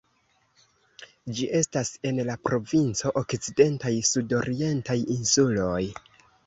Ĝi estas en la provinco Okcidentaj sudorientaj insuloj.